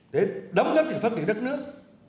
để đóng góp cho phát triển đất nước